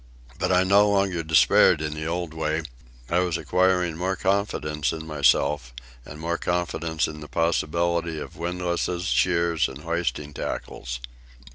But I no longer despaired in the old way. I was acquiring more confidence in myself and more confidence in the possibilities of windlasses, shears, and hoisting tackles.